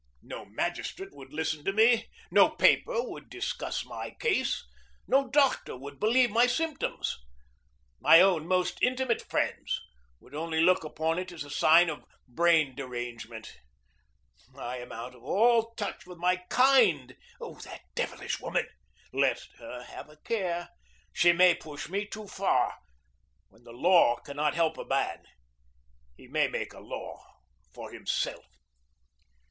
No magistrate would listen to me. No paper would discuss my case. No doctor would believe my symptoms. My own most intimate friends would only look upon it as a sign of brain derangement. I am out of all touch with my kind. Oh, that devilish woman! Let her have a care! She may push me too far. When the law cannot help a man, he may make a law for himself.